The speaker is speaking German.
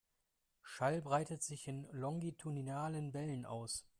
Schall breitet sich in longitudinalen Wellen aus.